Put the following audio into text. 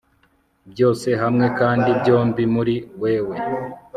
byose hamwe, kandi byombi muri wewe